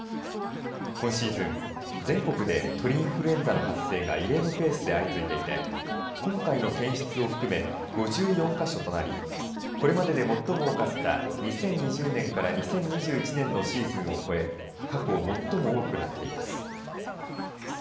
今シーズン、全国で鳥インフルエンザの発生が異例のペースで相次いでいて今回の検出を含め５４か所となりこれまでで最も多かった２０２０年から２０２１年のシーズンを超え過去最も多くなっています。